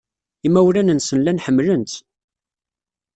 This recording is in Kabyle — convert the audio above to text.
Imawlan-nsen llan ḥemmlen-tt.